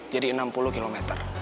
jadi enam puluh km